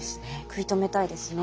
食い止めたいですね。